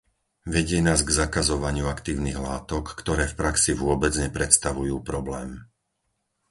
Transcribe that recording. Vedie nás k zakazovaniu aktívnych látok, ktoré v praxi vôbec nepredstavujú problém.